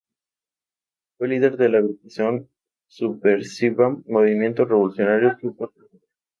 Fue el líder de la agrupación subversiva Movimiento Revolucionario Túpac Amaru.